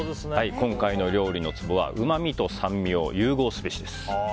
今回の料理のツボはうまみと酸味を融合すべしです。